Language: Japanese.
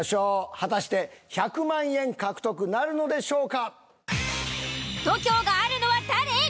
果たして１００万円獲得なるのでしょうか。